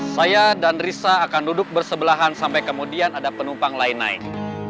saya dan risa akan duduk bersebelahan sampai kemudian ada penumpang lain naik